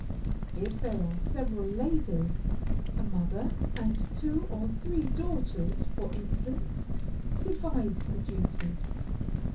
If there are several ladies, a mother and two or three daughters, for instance, divide the duties.